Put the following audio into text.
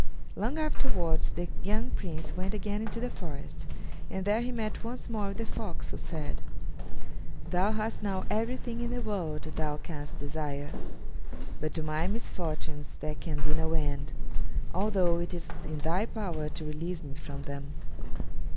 Long afterwards the young Prince went again into the forest, and there he met once more with the fox, who said: "Thou hast now everything in the world thou canst desire, but to my misfortunes there can be no end, although it is in thy power to release me from them."